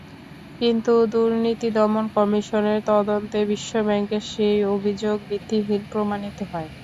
কিন্তু দুর্নীতি দমন কমিশনের তদন্তে বিশ্বব্যাংকের সেই অভিযোগ ভিত্তিহীন প্রমাণিত হয়।